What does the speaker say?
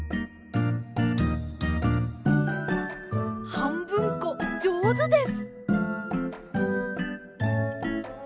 はんぶんこじょうずです。